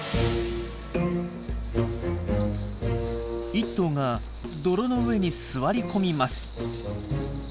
１頭が泥の上に座り込みます。